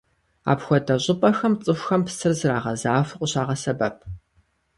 Апхуэдэ щӀыпӀэхэм цӀыхухэм псыр зрагъэзахуэу къыщагъэсэбэп.